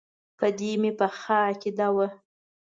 په دې مې پخه عقیده وه.